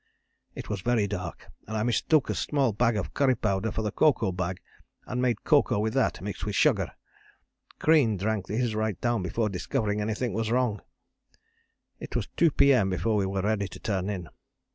It was very dark, and I mistook a small bag of curry powder for the cocoa bag, and made cocoa with that, mixed with sugar; Crean drank his right down before discovering anything was wrong. It was 2 P.M. before we were ready to turn in.